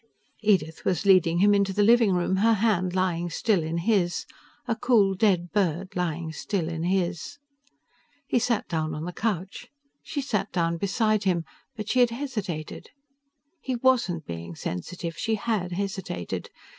Edith was leading him into the living room, her hand lying still in his, a cool, dead bird lying still in his. He sat down on the couch, she sat down beside him but she had hesitated. He wasn't being sensitive; she had hesitated.